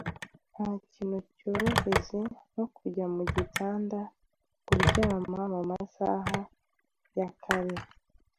Nta kintu cyoroheje nko kujya mu gitanda kuryama mu masaha ya kare,